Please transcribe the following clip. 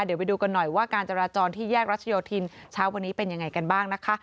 เดี๋ยวไปดูกันหน่อยว่าการจราจรที่แยกรัชโยธินเช้าวันนี้เป็นยังไงกันบ้างนะคะ